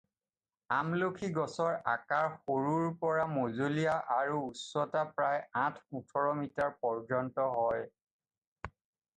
আমলখি গছৰ আকাৰ সৰুৰ পৰা মজলীয়া আৰু উচ্চতা প্ৰায় আঠ-ওঠৰ মিটাৰ পৰ্যন্ত হয়।